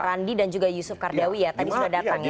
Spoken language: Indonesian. randi dan juga yusuf kardawi ya tadi sudah datang ya